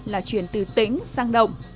là chuyển từ tỉnh sang động